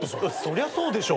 そりゃそうでしょ。